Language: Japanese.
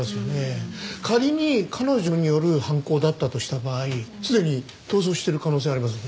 仮に彼女による犯行だったとした場合すでに逃走している可能性ありますよね。